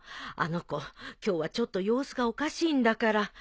あの子今日はちょっと様子がおかしいんだから。